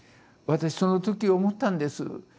私その時思ったんです。